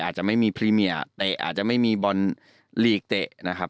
อาจจะไม่มีพรีเมียเตะอาจจะไม่มีบอลลีกเตะนะครับ